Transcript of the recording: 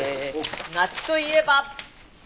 夏といえば！